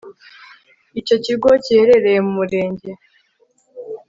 Icyo kigo giherereye mu mu Murenge